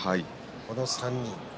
この３人。